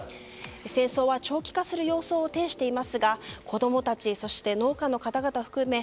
戦争は長期化する様相を呈していますが子供たち、そして農家の方々含め